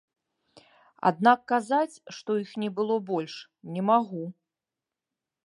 Аднак казаць, што іх не было больш, не магу.